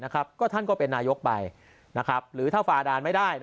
ก็ท่านก็เป็นนายกไปหรือถ้าฝ่าด่านไม่ได้